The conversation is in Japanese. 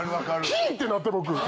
ヒー！ってなって僕。